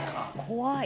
怖い。